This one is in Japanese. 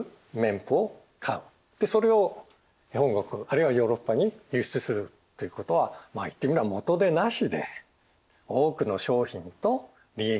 それを本国あるいはヨーロッパに輸出するということはまあ言ってみれば元手なしで多くの商品と利益を得ることができる。